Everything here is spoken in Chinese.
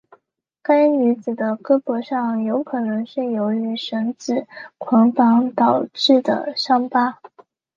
该女子的胳膊上有可能是由于绳子捆绑导致的伤疤。